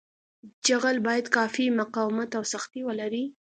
جغل باید کافي مقاومت او سختي ولري